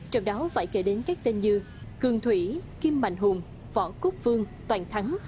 trong đó phải kể đến các tên như cường thủy kim mạnh hùng võ cúc phương toàn thắng